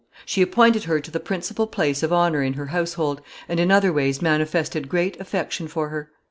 She appointed her to the principal place of honor in her household, and in other ways manifested great affection for her.